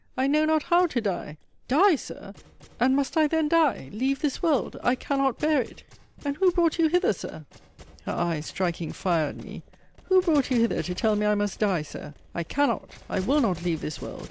I know not how to die! Die, Sir! And must I then die? Leave this world? I cannot bear it! And who brought you hither, Sir? [her eyes striking fire at me] Who brought you hither to tell me I must die, Sir? I cannot, I will not leave this world.